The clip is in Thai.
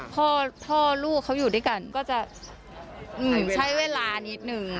พ่อลูกเขาอยู่ด้วยกันก็จะใช้เวลานิดนึง